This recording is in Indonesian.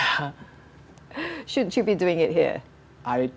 apakah anda harus melakukannya di sini